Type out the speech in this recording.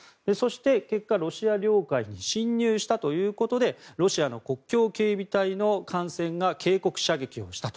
結局、ロシア領海に侵入したということでロシアの国境警備隊の艦船が警告射撃をしたと。